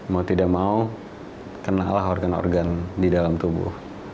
mau tidak mau kenallah organ organ di dalam tubuh